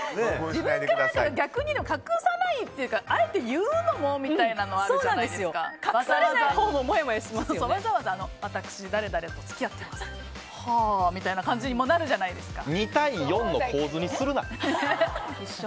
自分から逆に隠さないというか言うのもっていうのも隠されないほうもわざわざ私誰々と付き合ってますはあみたいな感じにもなるじゃないですか。